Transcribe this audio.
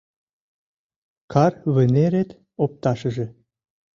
Кар вынерет опташыже